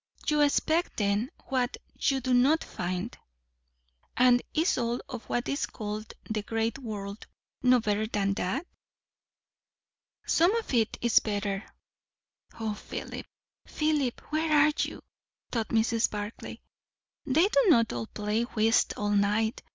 "You expect, then, what you do not find." "And is all of what is called the great world, no better than that?" "Some of it is better." (O Philip, Philip, where are you? thought Mrs. Barclay.) "They do not all play whist all night.